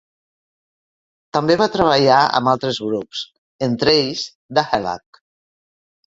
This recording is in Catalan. També va treballar amb altres grups, entre ells Dahelak.